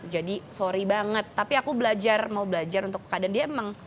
jadi sorry banget tapi aku belajar mau belajar untuk keadaan dia